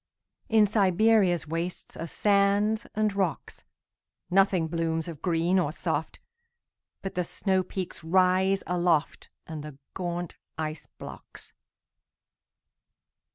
In Siberia's wastesAre sands and rocks. Nothing blooms of green or soft, But the snowpeaks rise aloftAnd the gaunt ice blocks.